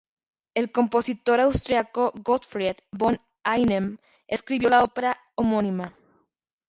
El compositor austríaco Gottfried von Einem escribió la ópera homónima.